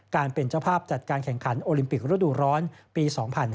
เป็นเจ้าภาพจัดการแข่งขันโอลิมปิกระดูกร้อนปี๒๕๕๙